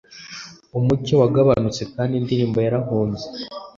umucyo wagabanutse kandi indirimbo yarahunze!